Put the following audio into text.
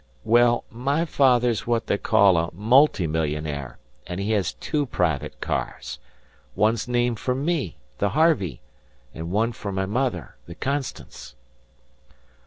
"Well, my father's what they call a multi millionaire, and he has two private cars. One's named for me, the 'Harvey', and one for my mother, the 'Constance'."